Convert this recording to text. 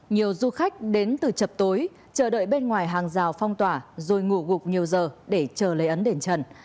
nhiều du khách đến từ chập tối chờ đợi bên ngoài hàng rào phong tỏa rồi ngủ gục nhiều giờ để chờ lấy ấn đền trần